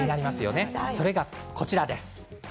それが、こちらです。